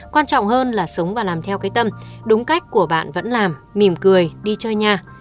quan trọng hơn là sống và làm theo cái tâm đúng cách của bạn vẫn làm mỉm cười đi chơi nhà